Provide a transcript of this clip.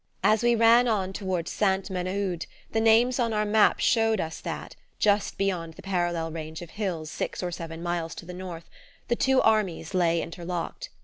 As we ran on toward Sainte Menehould the names on our map showed us that, just beyond the parallel range of hills six or seven miles to the north, the two armies lay interlocked.